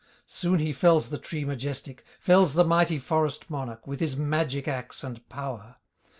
Soon he fells the tree majestic, Fells the mighty forest monarch, With his magic axe and power.